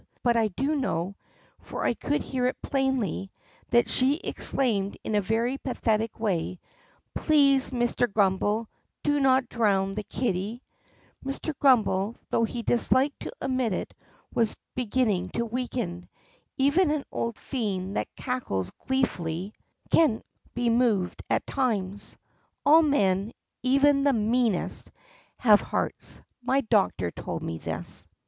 But I do know — for I could hear it plainly — that she exclaimed in a very pathetic way, "Please, Mr. Grummbel, do not drown the kitty!" Mr. Grummbel, though he disliked to admit it, was begin ning to weaken. Even an old fiend that cackles gleefully 8 THE PUSSYCAT PRINCESS can be moved at times. All men, even the meanest, have hearts. My doctor told me this.